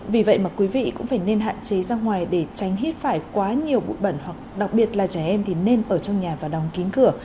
vì vậy mà quý vị cũng phải nên hạn chế ra ngoài để tránh hít phải quá nhiều bụi bẩn hoặc đặc biệt là trẻ em thì nên ở trong nhà và đóng kín cửa